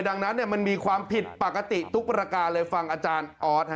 ดังนั้นมันมีความผิดปกติทุกประการเลยฟังอาจารย์ออส